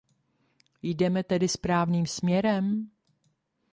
Jdeme tedy správným směrem?